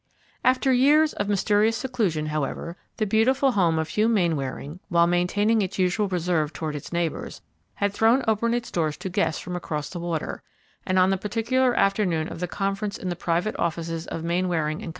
After years of mysterious seclusion, however, the beautiful home of Hugh Mainwaring, while maintaining its usual reserve towards its neighbors, had thrown open its doors to guests from across the water; and on the particular afternoon of the conference in the private offices of Mainwaring & Co.